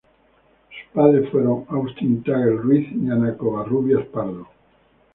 Sus padres fueron Agustín Tagle Ruiz y Ana Covarrubias Pardo.